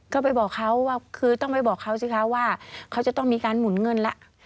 ก็ไปบอกเขาว่าคือต้องไปบอกเขาสิคะว่าเขาจะต้องมีการหมุนเงินแล้ว